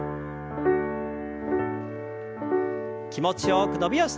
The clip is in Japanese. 気持ちよく伸びをして。